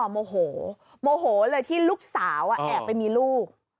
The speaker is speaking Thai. โมโหโมโหเลยที่ลูกสาวแอบไปมีลูก